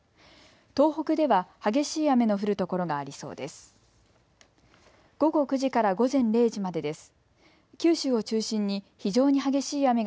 東北では激しい雨の降る所がありそうです。